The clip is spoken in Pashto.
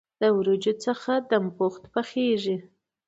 له وریجو څخه دم پخ پخیږي.